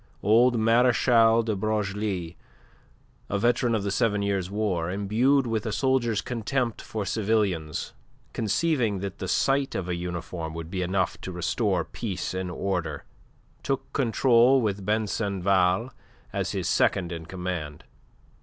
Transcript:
Old Marechal de Broglie, a veteran of the Seven Years' War, imbued with a soldier's contempt for civilians, conceiving that the sight of a uniform would be enough to restore peace and order, took control with Besenval as his second in command.